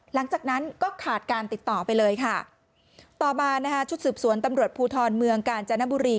หลังจากนั้นก็ขาดการติดต่อไปเลยค่ะต่อมานะคะชุดสืบสวนตำรวจภูทรเมืองกาญจนบุรี